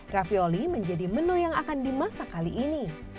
raffioli menjadi menu yang akan dimasak kali ini